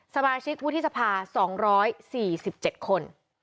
สมาชิกวุฒิสภา๒๔๗คน